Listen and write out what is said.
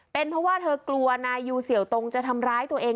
เป็นเพราะว่าเธอกลัวนายยูเสี่ยวตรงจะทำร้ายตัวเอง